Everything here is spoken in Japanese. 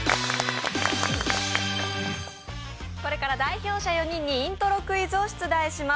これから代表者４人にイントロクイズを出題します。